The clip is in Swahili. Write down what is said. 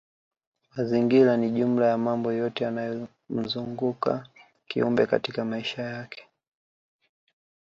Mazingira ni jumla ya mambo yote yanayomzuguka kiumbe katika maisha yake